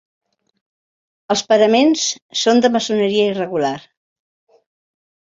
Els paraments són de maçoneria irregular.